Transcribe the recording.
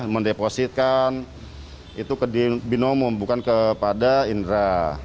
mendepositkan itu ke di binomo bukan kepada indra